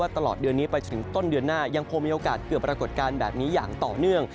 ตลอดเดือนนี้ไปจนถึงต้นเดือนหน้ายังคงมีโอกาสเกิดปรากฏการณ์แบบนี้อย่างต่อเนื่อง